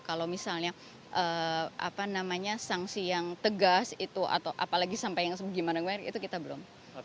kalau misalnya apa namanya sanksi yang tegas itu atau apalagi sampai yang gimana itu kita belum